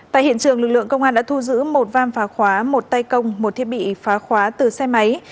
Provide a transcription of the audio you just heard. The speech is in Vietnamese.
tại hiện trường lực lượng công an đã thu giữ một vam phá khóa một tay công một thiết bị phá khóa từ xe máy